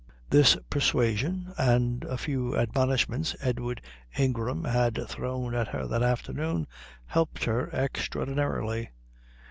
This persuasion, and the few admonishments Edward Ingram had thrown at her that afternoon, helped her extraordinarily.